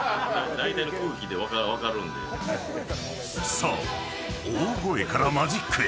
さあ大声からマジックへ